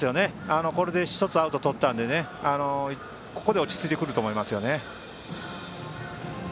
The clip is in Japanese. これで１つアウトをとったのでここで落ち着いてくると思います。